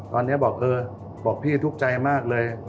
ตอนนี้บอกเออบอกพี่ทุกข์ใจมากเลย